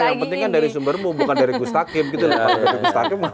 nah yang penting kan dari sumbermu bukan dari gustakim gitu